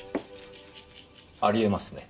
あり得ますね。